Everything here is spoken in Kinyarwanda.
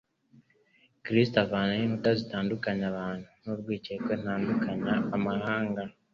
Kristo avanaho inkuta zitandukanya abantu, n'urwikekwe mtandukanya amahanga,